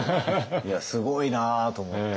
いやすごいなと思って。